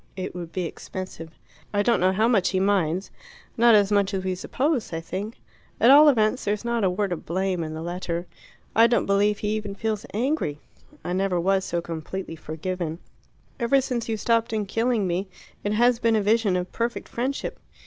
It would be expensive. I don't know how much he minds not as much as we suppose, I think. At all events there's not a word of blame in the letter. I don't believe he even feels angry. I never was so completely forgiven. Ever since you stopped him killing me, it has been a vision of perfect friendship.